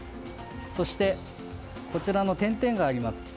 そして、こちらの点々があります。